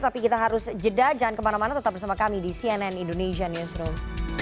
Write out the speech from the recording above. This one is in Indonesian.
tapi kita harus jeda jangan kemana mana tetap bersama kami di cnn indonesia newsroom